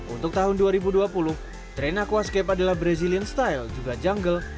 untuk tahun dua ribu dua puluh drene aquascape adalah brazilian style juga jungle